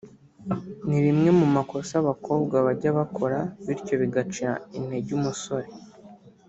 ni rimwe mu makosa abakobwa bajya bakora bityo bigaca intege umusore